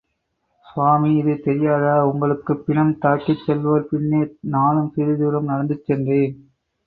சுவாமி, இது தெரியாதா உங்களுக்கு பிணம் தாக்கிச் செல்வோர் பின்னே நானும் சிறிது தூரம் நடந்து சென்றேன்.